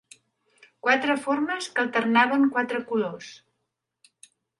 Quatre formes que alternaven quatre colors.